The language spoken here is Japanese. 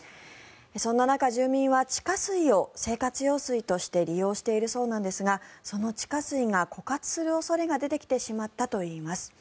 そんな中、住民は地下水を生活用水として利用しているそうなんですがその地下水が枯渇する恐れが出てきてしまったといいます。